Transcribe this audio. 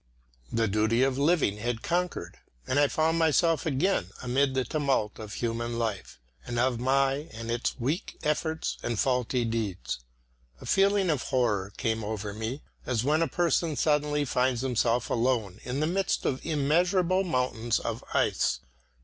The duty of living had conquered, and I found myself again amid the tumult of human life, and of my and its weak efforts and faulty deeds. A feeling of horror came over me, as when a person suddenly finds himself alone in the midst of immeasurable mountains of ice.